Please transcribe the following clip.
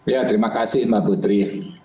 ya terima kasih mbak putri